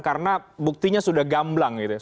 karena buktinya sudah gamblang gitu ya